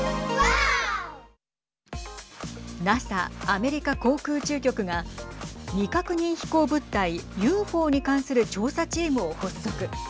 ＮＡＳＡ＝アメリカ航空宇宙局が未確認飛行物体・ＵＦＯに関する調査チームを発足。